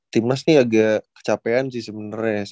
timnas ini agak kecapean sih sebenarnya